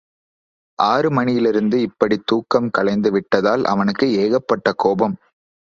ஆறு மணியிலிருந்து இப்படித் தூக்கம் கலைந்து விட்டதால், அவனுக்கு ஏகப்பட்ட கோபம்.